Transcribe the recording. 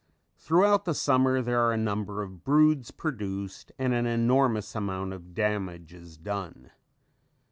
Throughout the summer there are a number of broods produced and an enormous amount of damage is done.